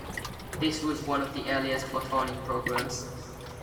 This was one of the earliest photonic programs.